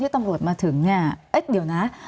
มีความรู้สึกว่ามีความรู้สึกว่า